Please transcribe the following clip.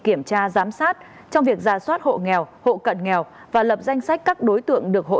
kiểm tra giám sát trong việc giả soát hộ nghèo hộ cận nghèo và lập danh sách các đối tượng được hỗ